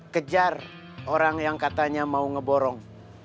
kejar orang yang katanya mau ngeborong